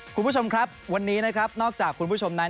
คุณผู้ชมครับวันนี้นะครับนอกจากคุณผู้ชมนั้น